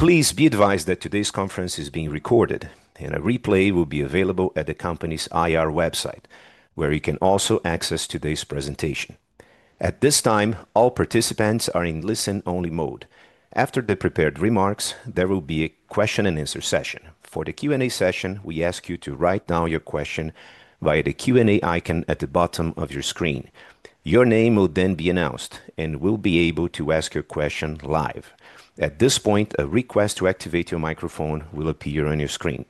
Please be advised that today's conference is being recorded, and a replay will be available at the company's IR website, where you can also access today's presentation. At this time, all participants are in listen-only mode. After the prepared remarks, there will be a question-and-answer session. For the Q&A session, we ask you to write down your question via the Q&A icon at the bottom of your screen. Your name will then be announced, and we'll be able to ask your question live. At this point, a request to activate your microphone will appear on your screen.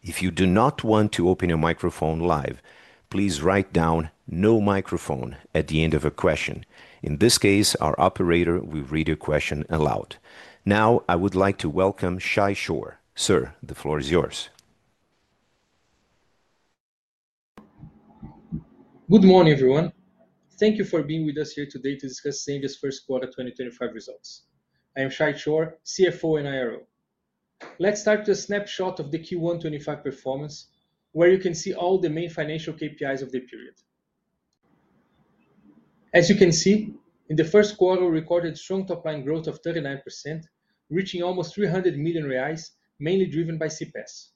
If you do not want to open your microphone live, please write down "no microphone" at the end of a question. In this case, our operator will read your question aloud. Now, I would like to welcome Shay Chor. Sir, the floor is yours. Good morning, everyone. Thank you for being with us here today to discuss Zenvia's first quarter 2025 results. I am Shay Chor, CFO and IRO. Let's start with a snapshot of the Q1 2025 performance, where you can see all the main financial KPIs of the period. As you can see, in the first quarter, we recorded strong top-line growth of 39%, reaching almost 300 million reais, mainly driven by CPaaS.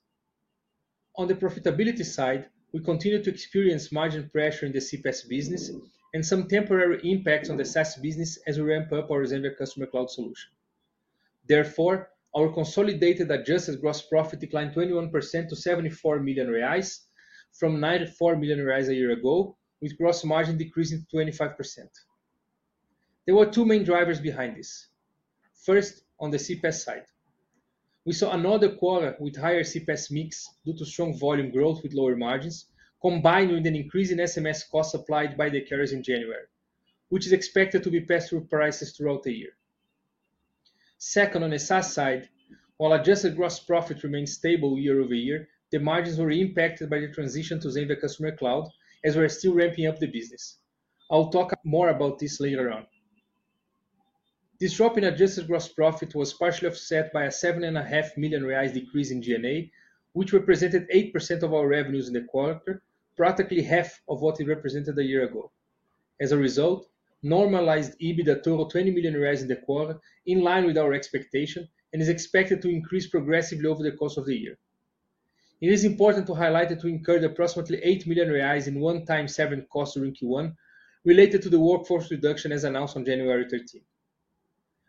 On the profitability side, we continue to experience margin pressure in the CPaaS business and some temporary impacts on the SaaS business as we ramp up our Zenvia Customer Cloud solution. Therefore, our consolidated adjusted gross profit declined 21% to 74 million reais, from 94 million reais a year ago, with gross margin decreasing to 25%. There were two main drivers behind this. First, on the CPaaS side, we saw another quarter with higher CPaaS mix due to strong volume growth with lower margins, combined with an increase in SMS costs applied by the carriers in January, which is expected to be pass-through prices throughout the year. Second, on the SaaS side, while adjusted gross profit remained stable year over year, the margins were impacted by the transition to Zenvia Customer Cloud, as we are still ramping up the business. I'll talk more about this later on. This drop in adjusted gross profit was partially offset by a 7.5 million reais decrease in G&A, which represented 8% of our revenues in the quarter, practically half of what it represented a year ago. As a result, normalized EBITDA totaled 20 million reais in the quarter, in line with our expectation, and is expected to increase progressively over the course of the year. It is important to highlight that we incurred approximately 8 million reais in one-time severance cost during Q1, related to the workforce reduction as announced on January 13.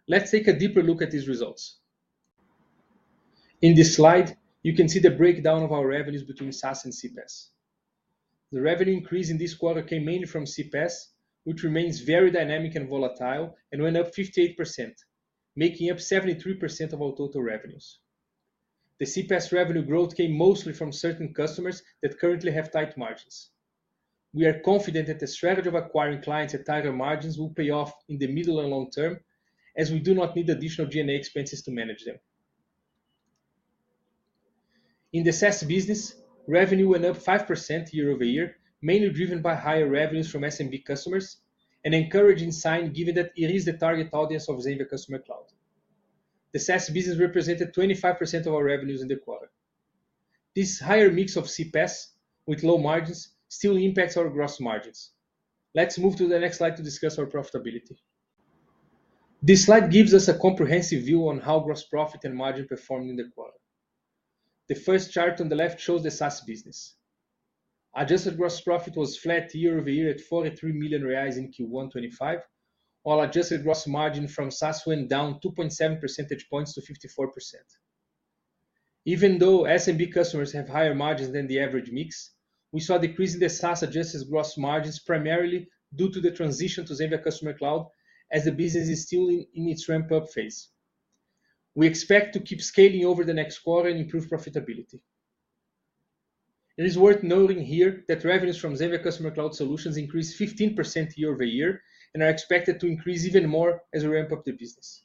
Let's take a deeper look at these results. In this slide, you can see the breakdown of our revenues between SaaS and CPaaS. The revenue increase in this quarter came mainly from CPaaS, which remains very dynamic and volatile, and went up 58%, making up 73% of our total revenues. The CPaaS revenue growth came mostly from certain customers that currently have tight margins. We are confident that the strategy of acquiring clients at tighter margins will pay off in the middle and long term, as we do not need additional G&A expenses to manage them. In the SaaS business, revenue went up 5% year over year, mainly driven by higher revenues from SMB customers, an encouraging sign given that it is the target audience of Zenvia Customer Cloud. The SaaS business represented 25% of our revenues in the quarter. This higher mix of CPaaS, with low margins, still impacts our gross margins. Let's move to the next slide to discuss our profitability. This slide gives us a comprehensive view on how gross profit and margin performed in the quarter. The first chart on the left shows the SaaS business. Adjusted gross profit was flat year over year at 43 million reais in Q1 2025, while adjusted gross margin from SaaS went down 2.7 percentage points to 54%. Even though SMB customers have higher margins than the average mix, we saw a decrease in the SaaS adjusted gross margins primarily due to the transition to Zenvia Customer Cloud, as the business is still in its ramp-up phase. We expect to keep scaling over the next quarter and improve profitability. It is worth noting here that revenues from Zenvia Customer Cloud solutions increased 15% year over year and are expected to increase even more as we ramp up the business.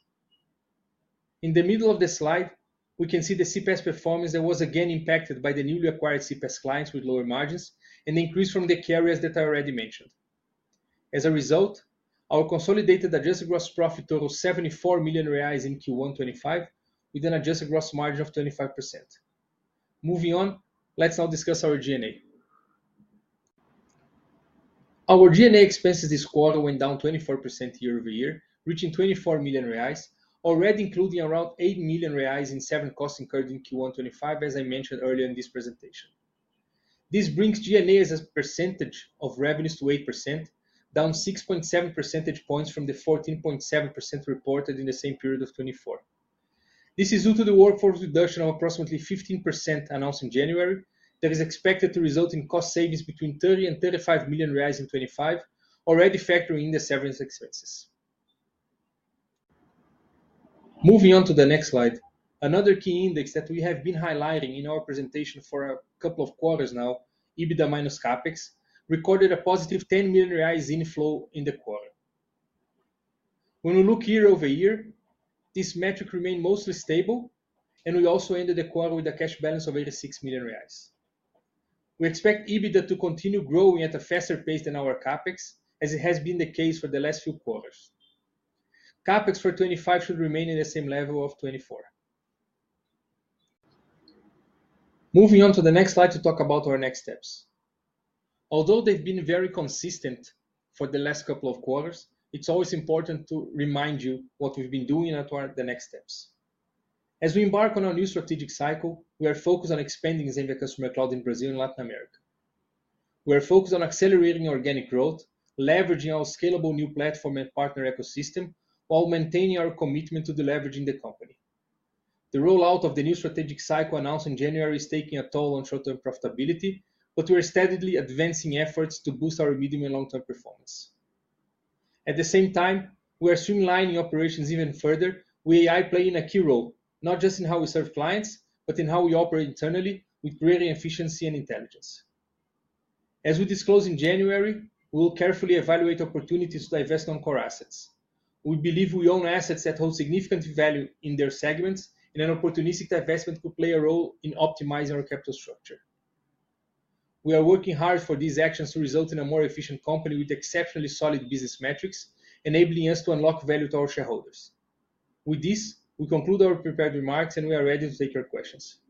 In the middle of the slide, we can see the CPaaS performance that was again impacted by the newly acquired CPaaS clients with lower margins and increased from the carriers that I already mentioned. As a result, our consolidated adjusted gross profit totaled 74 million reais in Q1 2025, with an adjusted gross margin of 25%. Moving on, let's now discuss our G&A. Our G&A expenses this quarter went down 24% year over year, reaching 24 million reais, already including around 8 million reais in severance costs incurred in Q1 2025, as I mentioned earlier in this presentation. This brings G&A as a percentage of revenues to 8%, down 6.7 percentage points from the 14.7% reported in the same period of 2024. This is due to the workforce reduction of approximately 15% announced in January, that is expected to result in cost savings between 30 million and 35 million reais in 2025, already factoring in the severance expenses. Moving on to the next slide, another key index that we have been highlighting in our presentation for a couple of quarters now, EBITDA minus Capex, recorded a positive 10 million reais inflow in the quarter. When we look year over year, this metric remained mostly stable, and we also ended the quarter with a cash balance of 86 million reais. We expect EBITDA to continue growing at a faster pace than our Capex, as it has been the case for the last few quarters. Capex for 2025 should remain at the same level of 2024. Moving on to the next slide to talk about our next steps. Although they've been very consistent for the last couple of quarters, it's always important to remind you what we've been doing at the next steps. As we embark on our new strategic cycle, we are focused on expanding Zenvia Customer Cloud in Brazil and Latin America. We are focused on accelerating organic growth, leveraging our scalable new platform and partner ecosystem, while maintaining our commitment to the leverage in the company. The rollout of the new strategic cycle announced in January is taking a toll on short-term profitability, but we are steadily advancing efforts to boost our medium and long-term performance. At the same time, we are streamlining operations even further, with AI playing a key role, not just in how we serve clients, but in how we operate internally, with greater efficiency and intelligence. As we disclosed in January, we will carefully evaluate opportunities to divest non-core assets. We believe we own assets that hold significant value in their segments, and an opportunistic divestment could play a role in optimizing our capital structure. We are working hard for these actions to result in a more efficient company with exceptionally solid business metrics, enabling us to unlock value to our shareholders. With this, we conclude our prepared remarks, and we are ready to take your questions.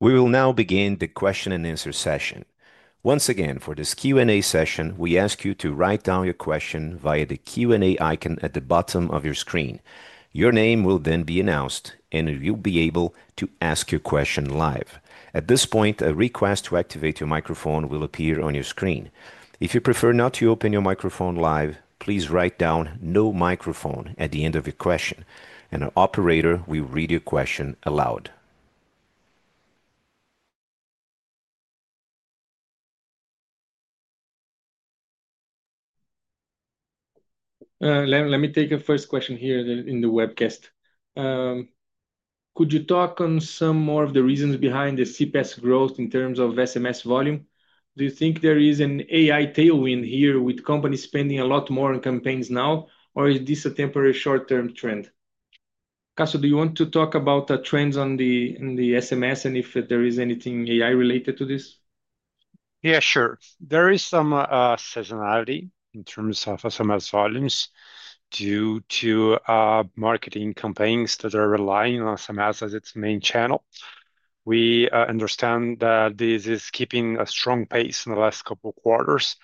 We will now begin the question-and-answer session. Once again, for this Q&A session, we ask you to write down your question via the Q&A icon at the bottom of your screen. Your name will then be announced, and you'll be able to ask your question live. At this point, a request to activate your microphone will appear on your screen. If you prefer not to open your microphone live, please write down "no microphone" at the end of your question, and our operator will read your question aloud. Leno, let me take your first question here in the webcast. Could you talk on some more of the reasons behind the CPaaS growth in terms of SMS volume? Do you think there is an AI tailwind here with companies spending a lot more on campaigns now, or is this a temporary short-term trend? Cassio, do you want to talk about the trends on the SMS and if there is anything AI-related to this? Yeah, sure. There is some seasonality in terms of SMS volumes due to marketing campaigns that are relying on SMS as its main channel. We understand that this is keeping a strong pace in the last couple of quarters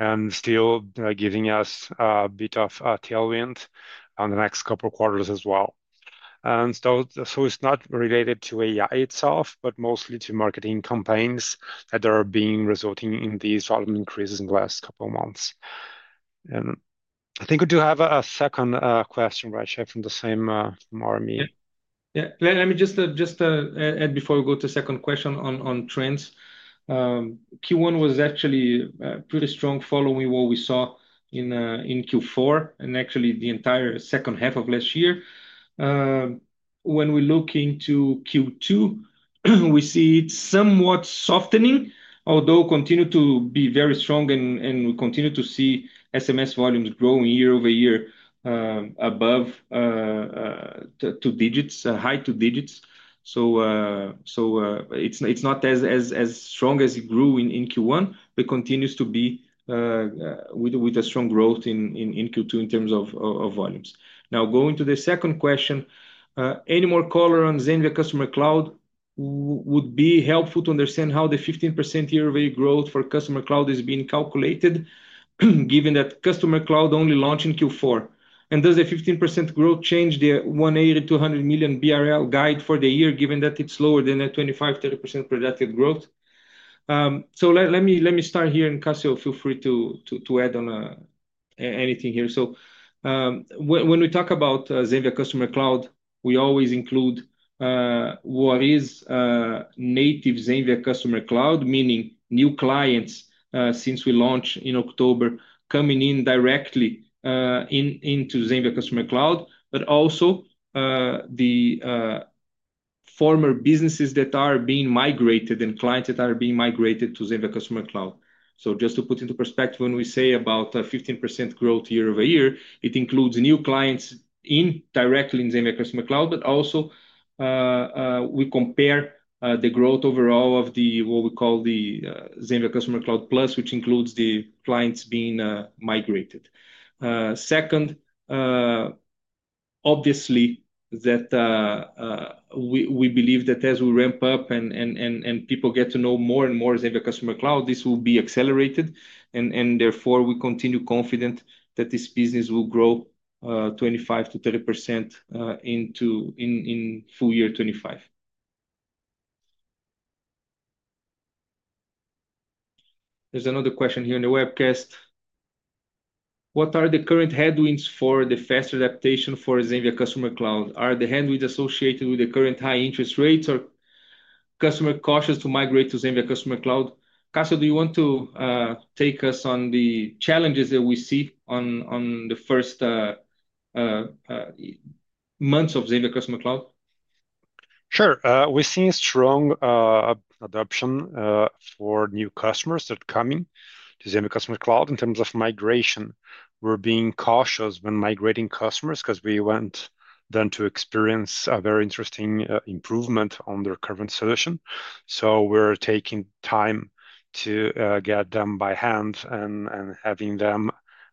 and still giving us a bit of a tailwind on the next couple of quarters as well. It is not related to AI itself, but mostly to marketing campaigns that are resulting in these volume increases in the last couple of months. I think we do have a second question, right, Shay, from the same from our meeting. Yeah, let me just add before we go to the second question on trends. Q1 was actually a pretty strong following what we saw in Q4 and actually the entire second half of last year. When we look into Q2, we see it somewhat softening, although continue to be very strong, and we continue to see SMS volumes growing year over year above two digits, high two digits. So it's not as strong as it grew in Q1, but continues to be with a strong growth in Q2 in terms of volumes. Now, going to the second question, any more color on Zenvia Customer Cloud would be helpful to understand how the 15% year-over-year growth for Customer Cloud is being calculated, given that Customer Cloud only launched in Q4. Does the 15% growth change the 180 million-100 million BRL guide for the year, given that it is lower than the 25%-30% projected growth? Let me start here, and Cassio, feel free to add on anything here. When we talk about Zenvia Customer Cloud, we always include what is native Zenvia Customer Cloud, meaning new clients since we launched in October coming in directly into Zenvia Customer Cloud, but also the former businesses that are being migrated and clients that are being migrated to Zenvia Customer Cloud. Just to put into perspective, when we say about 15% growth year over year, it includes new clients directly in Zenvia Customer Cloud, but also we compare the growth overall of what we call the Zenvia Customer Cloud Plus, which includes the clients being migrated. Second, obviously, that we believe that as we ramp up and people get to know more and more Zenvia Customer Cloud, this will be accelerated, and therefore we continue confident that this business will grow 25%-30% into full year 2025. There's another question here in the webcast. What are the current headwinds for the fast adaptation for Zenvia Customer Cloud? Are the headwinds associated with the current high interest rates, or customer cautious to migrate to Zenvia Customer Cloud? Cassio, do you want to take us on the challenges that we see on the first months of Zenvia Customer Cloud? Sure. We're seeing strong adoption for new customers that are coming to Zenvia Customer Cloud in terms of migration. We're being cautious when migrating customers because we want them to experience a very interesting improvement on their current solution. We're taking time to get them by hand and having them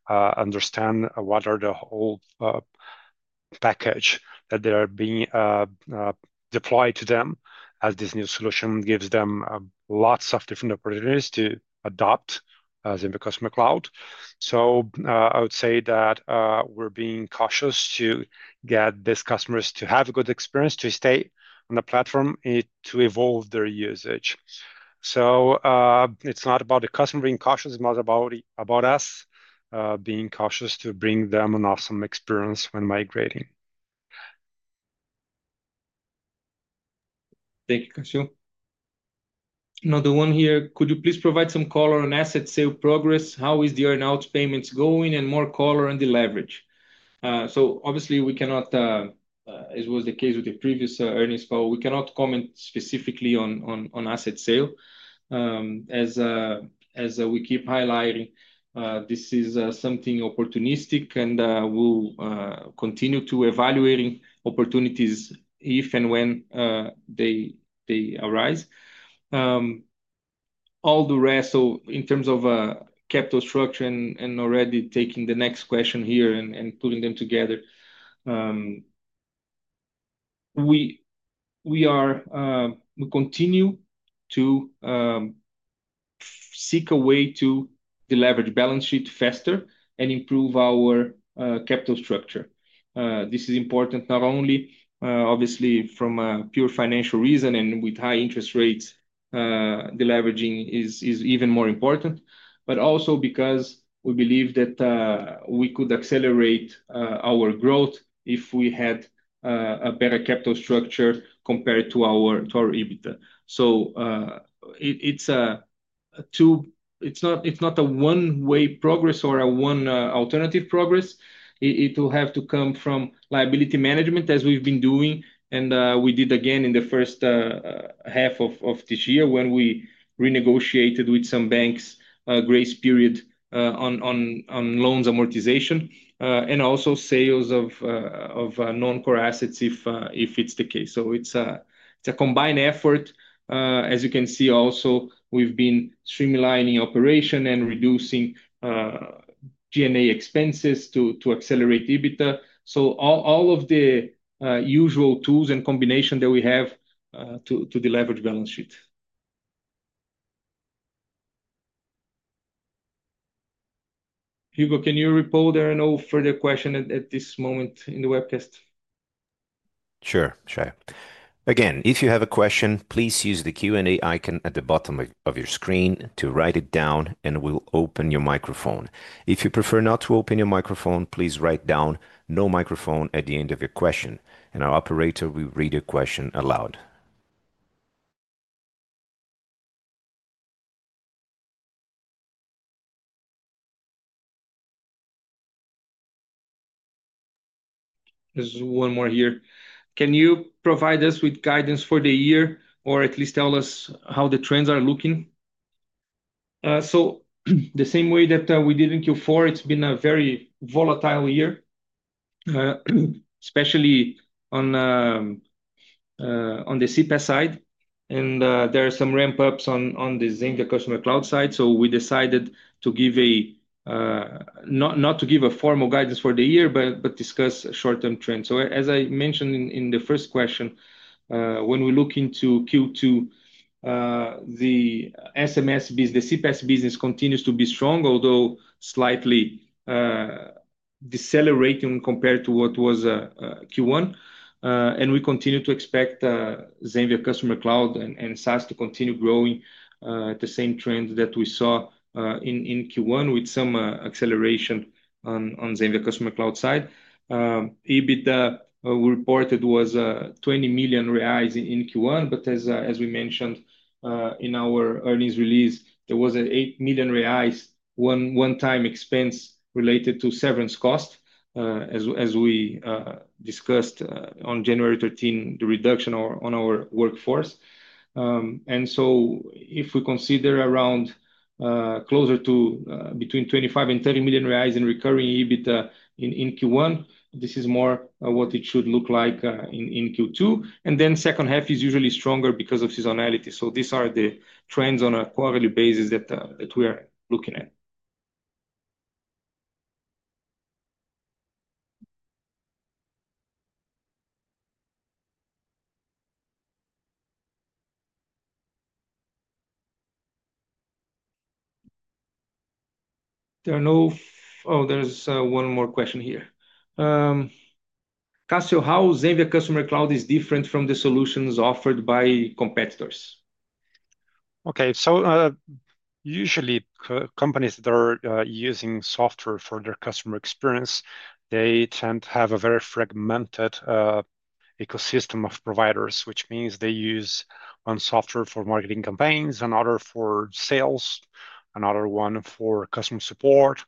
understand what the whole package that they are being deployed to them as this new solution gives them lots of different opportunities to adopt Zenvia Customer Cloud. I would say that we're being cautious to get these customers to have a good experience, to stay on the platform, to evolve their usage. It's not about the customer being cautious. It's more about us being cautious to bring them an awesome experience when migrating. Thank you, Cassio. Another one here. Could you please provide some color on asset sale progress? How is the earn-out payments going and more color on the leverage? Obviously, we cannot, as was the case with the previous earnings call, we cannot comment specifically on asset sale. As we keep highlighting, this is something opportunistic, and we will continue to evaluate opportunities if and when they arise. All the rest, in terms of capital structure and already taking the next question here and pulling them together, we continue to seek a way to leverage balance sheet faster and improve our capital structure. This is important not only, obviously, from a pure financial reason and with high interest rates, the leveraging is even more important, but also because we believe that we could accelerate our growth if we had a better capital structure compared to our EBITDA. It is not a one-way progress or a one alternative progress. It will have to come from liability management, as we have been doing, and we did again in the first half of this year when we renegotiated with some banks a grace period on loans amortization and also sales of non-core assets if it is the case. It is a combined effort. As you can see, also, we have been streamlining operation and reducing G&A expenses to accelerate EBITDA. All of the usual tools and combination that we have to deleverage balance sheet. Hugo, can you reply? There are no further questions at this moment in the webcast. Sure, Chef. Again, if you have a question, please use the Q&A icon at the bottom of your screen to write it down, and we'll open your microphone. If you prefer not to open your microphone, please write down "no microphone" at the end of your question, and our operator will read your question aloud. There's one more here. Can you provide us with guidance for the year or at least tell us how the trends are looking? The same way that we did in Q4, it's been a very volatile year, especially on the CPaaS side, and there are some ramp-ups on the Zenvia Customer Cloud side. We decided not to give a formal guidance for the year, but discuss short-term trends. As I mentioned in the first question, when we look into Q2, the SMS business, the CPaaS business continues to be strong, although slightly decelerating compared to what was Q1. We continue to expect Zenvia Customer Cloud and SaaS to continue growing at the same trend that we saw in Q1 with some acceleration on Zenvia Customer Cloud side. EBITDA reported was 20 million reais in Q1, but as we mentioned in our earnings release, there was a 8 million reais one-time expense related to severance cost, as we discussed on January 13, the reduction on our workforce. If we consider around closer to between 25 million and 30 million reais in recurring EBITDA in Q1, this is more what it should look like in Q2. The second half is usually stronger because of seasonality. These are the trends on a quarterly basis that we are looking at. There are no, oh, there's one more question here. Cassio, how is Zenvia Customer Cloud different from the solutions offered by competitors? Okay, so usually, companies that are using software for their customer experience, they tend to have a very fragmented ecosystem of providers, which means they use one software for marketing campaigns, another for sales, another one for customer support,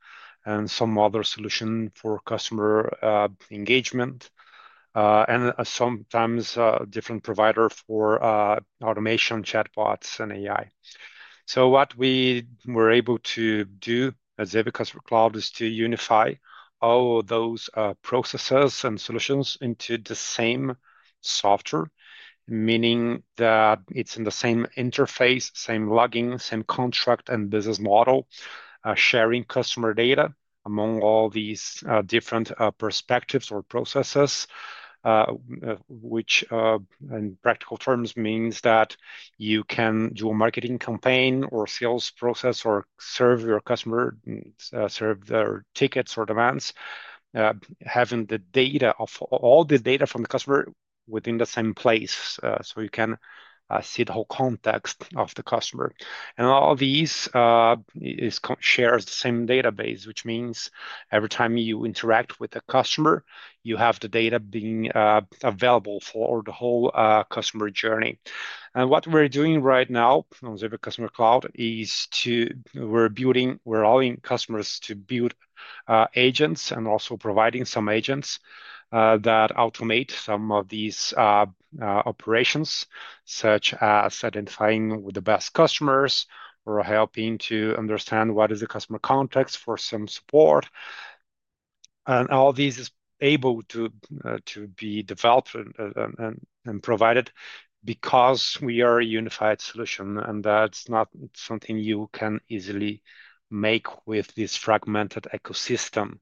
and some other solution for customer engagement, and sometimes a different provider for automation, chatbots, and AI. What we were able to do at Zenvia Customer Cloud is to unify all those processes and solutions into the same software, meaning that it's in the same interface, same login, same contract, and business model, sharing customer data among all these different perspectives or processes, which in practical terms means that you can do a marketing campaign or sales process or serve your customer, serve their tickets or demands, having all the data from the customer within the same place. You can see the whole context of the customer. All these share the same database, which means every time you interact with a customer, you have the data being available for the whole customer journey. What we're doing right now on Zenvia Customer Cloud is we're allowing customers to build agents and also providing some agents that automate some of these operations, such as identifying who the best customers are or helping to understand what is the customer context for some support. All this is able to be developed and provided because we are a unified solution, and that's not something you can easily make with this fragmented ecosystem.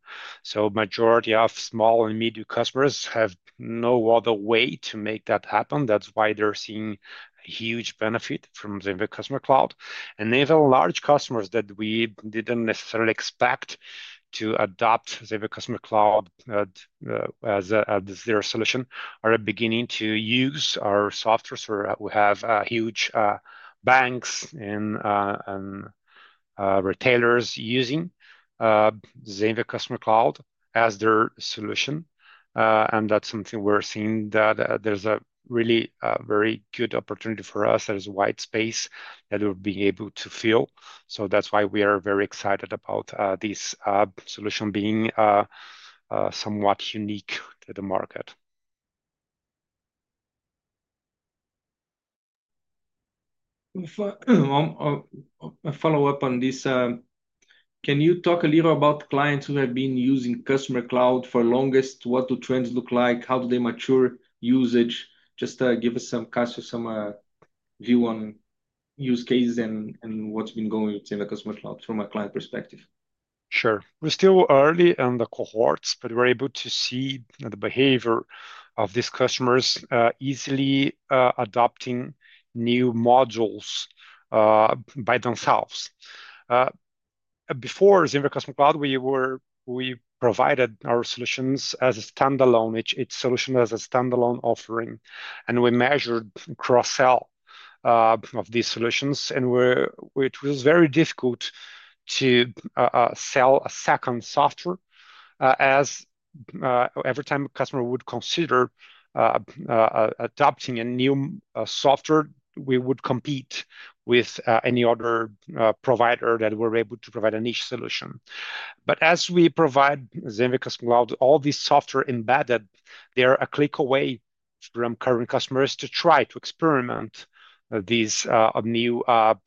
The majority of small and medium customers have no other way to make that happen. That's why they're seeing huge benefit from Zenvia Customer Cloud. Even large customers that we did not necessarily expect to adopt Zenvia Customer Cloud as their solution are beginning to use our software. We have huge banks and retailers using Zenvia Customer Cloud as their solution. That is something we are seeing, that there is a really very good opportunity for us. There is a white space that we will be able to fill. That is why we are very excited about this solution being somewhat unique to the market. A follow-up on this. Can you talk a little about clients who have been using Customer Cloud for the longest? What do trends look like? How do they mature usage? Just give us some, Cassio, some view on use cases and what's been going in the Customer Cloud from a client perspective. Sure. We're still early in the cohorts, but we're able to see the behavior of these customers easily adopting new modules by themselves. Before Zenvia Customer Cloud, we provided our solutions as a standalone. It's solution as a standalone offering. We measured cross-sell of these solutions. It was very difficult to sell a second software. Every time a customer would consider adopting a new software, we would compete with any other provider that was able to provide a niche solution. As we provide Zenvia Customer Cloud, all these software embedded, they are a click away from current customers to try to experiment with this new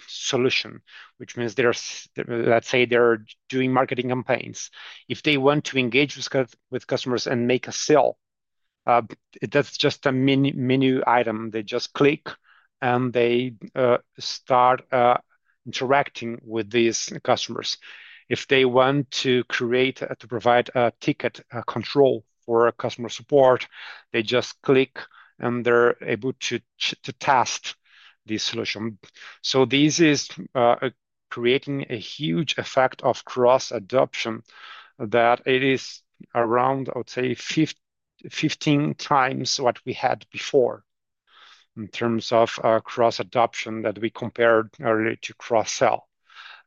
solution, which means they're, let's say, they're doing marketing campaigns. If they want to engage with customers and make a sale, that's just a menu item. They just click, and they start interacting with these customers. If they want to create to provide a ticket control or customer support, they just click, and they're able to test this solution. This is creating a huge effect of cross-adoption that it is around, I would say, 15 times what we had before in terms of cross-adoption that we compared earlier to cross-sell.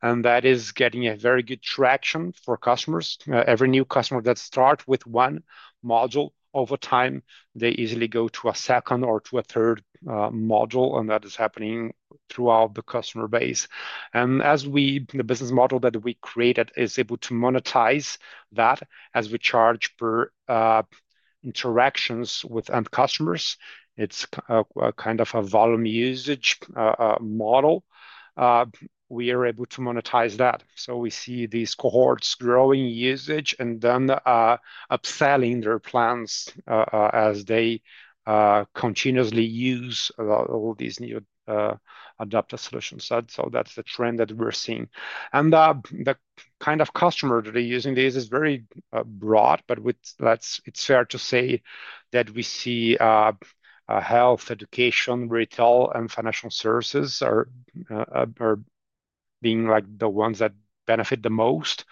That is getting a very good traction for customers. Every new customer that starts with one module over time, they easily go to a second or to a third module, and that is happening throughout the customer base. As the business model that we created is able to monetize that as we charge per interactions with end customers, it's kind of a volume usage model. We are able to monetize that. We see these cohorts growing usage and then upselling their plans as they continuously use all these new adaptive solutions. That's the trend that we're seeing. The kind of customer that are using this is very broad, but it's fair to say that we see Health, Education, Retail, and Financial Services are being the ones that benefit the most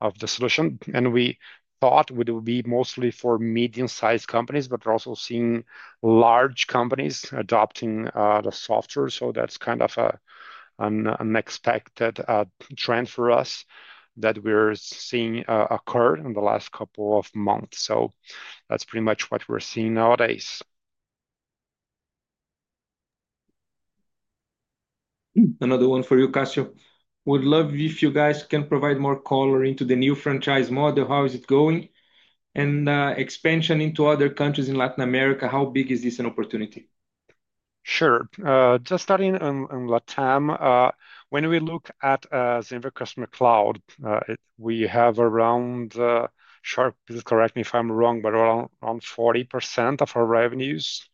of the solution. We thought it would be mostly for medium-sized companies, but we're also seeing large companies adopting the software. That's kind of an expected trend for us that we're seeing occur in the last couple of months. That's pretty much what we're seeing nowadays. Another one for you, Cassio. We'd love if you guys can provide more color into the new franchise model. How is it going? Expansion into other countries in Latin America, how big is this an opportunity? Sure. Just starting in Latam, when we look at Zenvia Customer Cloud, we have around, Shay, please correct me if I'm wrong, but around 40% of our revenues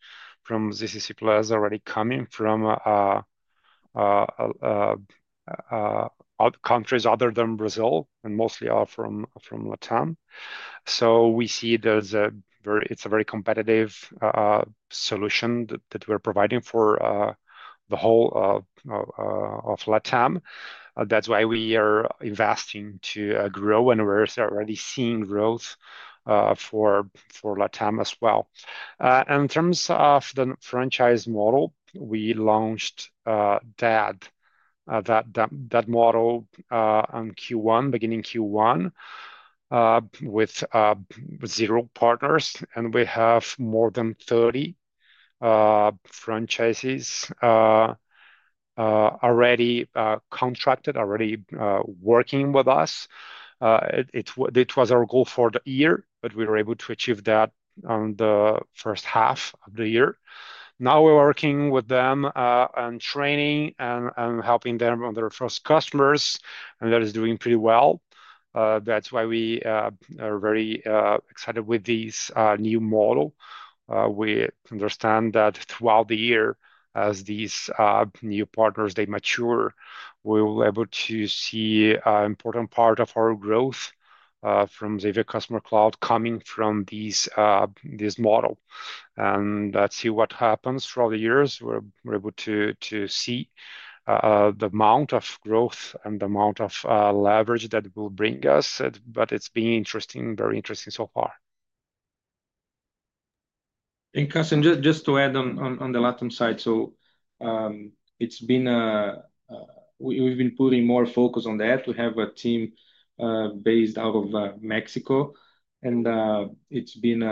from Zenvia Customer Cloud is already coming from countries other than Brazil and mostly are from Latam. We see that it is a very competitive solution that we are providing for the whole of Latam. That is why we are investing to grow, and we are already seeing growth for Latam as well. In terms of the franchise model, we launched that model in Q1, beginning Q1, with zero partners, and we have more than 30 franchises already contracted, already working with us. It was our goal for the year, but we were able to achieve that in the first half of the year. Now we are working with them and training and helping them on their first customers, and that is doing pretty well. That's why we are very excited with this new model. We understand that throughout the year, as these new partners, they mature, we'll be able to see an important part of our growth from Zenvia Customer Cloud coming from this model. Let's see what happens throughout the years. We're able to see the amount of growth and the amount of leverage that will bring us, but it's been interesting, very interesting so far. Cassio, just to add on the Latam side, we have been putting more focus on that. We have a team based out of Mexico, and it has been,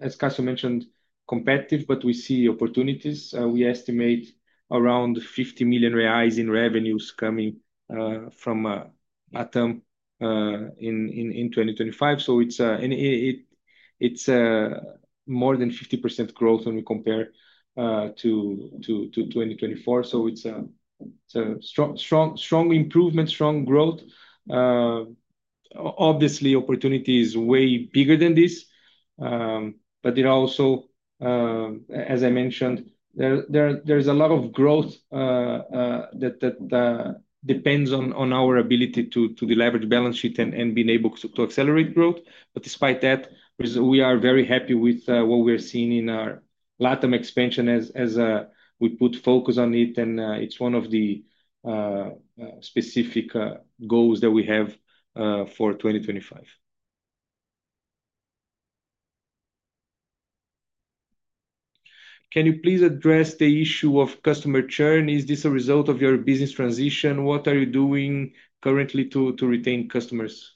as Cassio mentioned, competitive, but we see opportunities. We estimate around 50 million reais in revenues coming from Latam in 2025. It is more than 50% growth when we compare to 2024. It is a strong improvement, strong growth. Obviously, opportunity is way bigger than this, but there are also, as I mentioned, a lot of growth factors that depend on our ability to leverage the balance sheet and being able to accelerate growth. Despite that, we are very happy with what we are seeing in our Latam expansion as we put focus on it, and it is one of the specific goals that we have for 2025. Can you please address the issue of customer churn? Is this a result of your business transition? What are you doing currently to retain customers?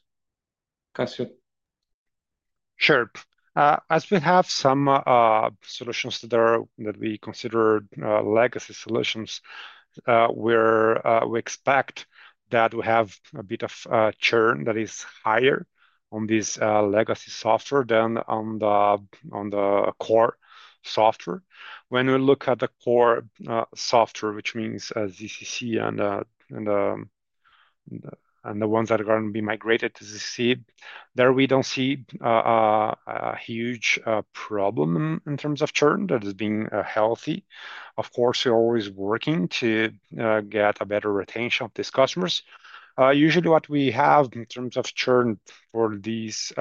Cassio? Sure. As we have some solutions that we consider legacy solutions, we expect that we have a bit of churn that is higher on this legacy software than on the core software. When we look at the core software, which means ZCC and the ones that are going to be migrated to ZCC, there we do not see a huge problem in terms of churn that has been healthy. Of course, we are always working to get a better retention of these customers. Usually, what we have in terms of churn for this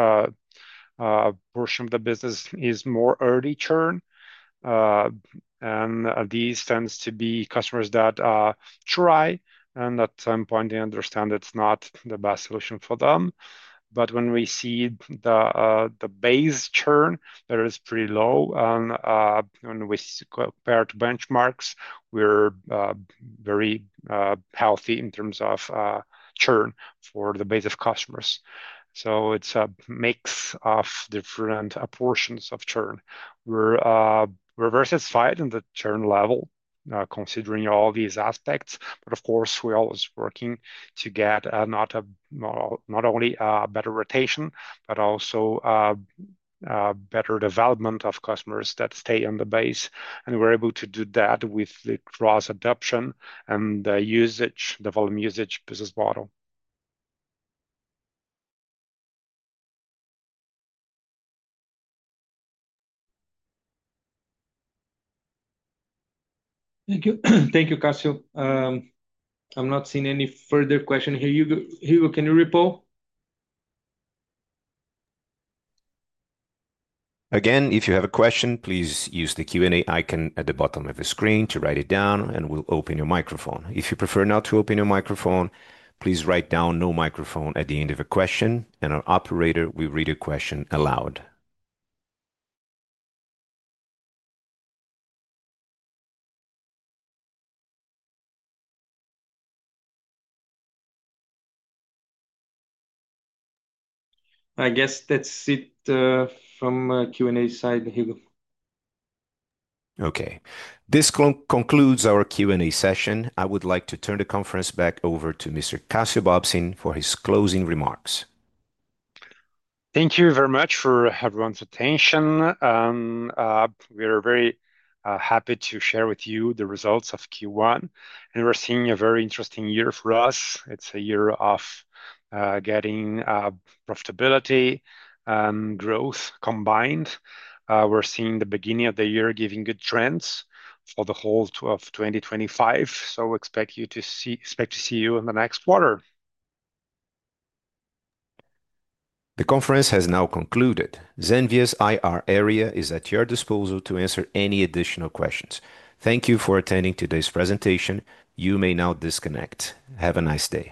portion of the business is more early churn. These tend to be customers that try, and at some point, they understand it is not the best solution for them. When we see the base churn, that is pretty low. When we compare to benchmarks, we are very healthy in terms of churn for the base of customers. It's a mix of different portions of churn. We're very satisfied in the churn level, considering all these aspects. Of course, we're always working to get not only a better rotation, but also better development of customers that stay on the base. We're able to do that with the cross-adoption and the volume usage business model. Thank you. Thank you, Cassio. I'm not seeing any further questions here. Hugo, can you reply? Again, if you have a question, please use the Q&A icon at the bottom of the screen to write it down, and we'll open your microphone. If you prefer not to open your microphone, please write down no microphone at the end of a question, and our operator will read a question aloud. I guess that's it from the Q&A side, Hugo. Okay. This concludes our Q&A session. I would like to turn the conference back over to Mr. Cassio Bobsin for his closing remarks. Thank you very much for everyone's attention. We are very happy to share with you the results of Q1, and we're seeing a very interesting year for us. It's a year of getting profitability and growth combined. We're seeing the beginning of the year giving good trends for the whole of 2025. We expect you to see you in the next quarter. The conference has now concluded. Zenvia's IR area is at your disposal to answer any additional questions. Thank you for attending today's presentation. You may now disconnect. Have a nice day.